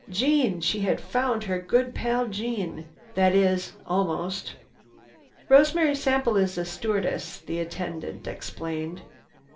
Jeanne! She had found her good pal Jeanne—that is, almost. "Rosemary Sample is a stewardess," the attendant explained.